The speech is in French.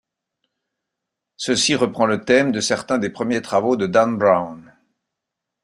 Ceci reprend le thème de certains des premiers travaux de Dan Brown.